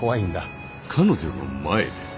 彼女の前で。